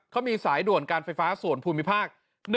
เขามีสายด่วนการไฟฟ้าส่วนภูมิภาค